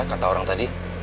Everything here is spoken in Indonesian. kata orang tadi